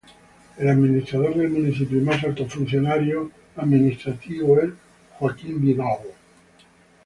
El administrador del municipio y más alto funcionario administrativo es Fred Carr.